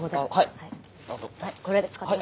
はいこれ使って下さい。